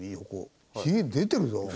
髭出てるぞ。